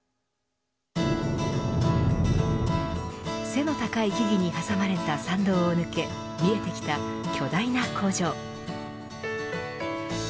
背の高い木々に挟まれた山道を抜け見えてきた巨大な工場。